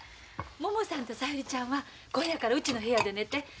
ももさんと小百合ちゃんは今夜からうちの部屋で寝て。